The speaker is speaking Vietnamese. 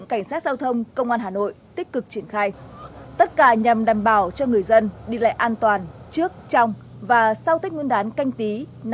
cảnh sát giao thông công an thành phố hà nội đã triển khai nhiều giải pháp đảm bảo trật tự an toàn giao thông thủy